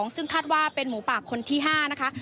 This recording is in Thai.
ซึ่งคาดว่าเป็นหมูปากคนที่๕นะคะ